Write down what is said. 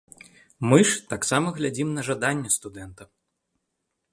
Мы ж таксама глядзім на жаданне студэнта.